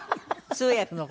通訳の事？